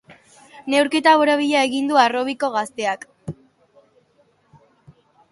Neurketa borobila egin du harrobiko gazteak.